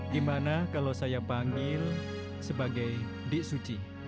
gimana kalau saya panggil sebagai dik suci